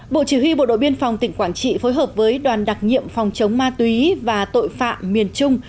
bộ chỉ huy bộ đội biên phòng tỉnh quảng trị phối hợp với đoàn đặc nhiệm phòng chống ma túy và tội phạm miền trung